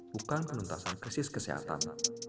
bukan penuntasan krisis kesehatan